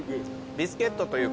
ビスケットというか。